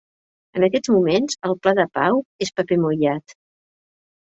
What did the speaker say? En aquests moments, el pla de pau és paper mullat.